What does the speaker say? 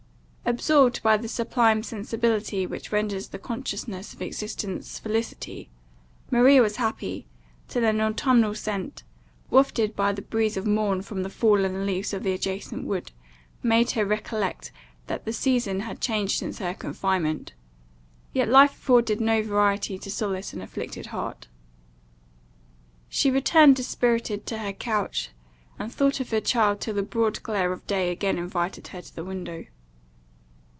Absorbed by the sublime sensibility which renders the consciousness of existence felicity, Maria was happy, till an autumnal scent, wafted by the breeze of morn from the fallen leaves of the adjacent wood, made her recollect that the season had changed since her confinement; yet life afforded no variety to solace an afflicted heart. She returned dispirited to her couch, and thought of her child till the broad glare of day again invited her to the window.